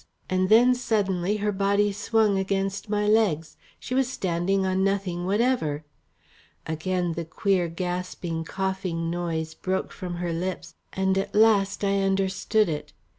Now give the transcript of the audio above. And then suddenly her body swung against my legs. She was standing on nothing whatever! Again the queer gasping coughing noise broke from her lips, and at last I understood it.